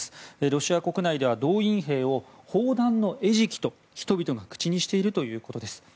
ロシア国内では動員兵を砲弾の餌食と人々が口にしているということです。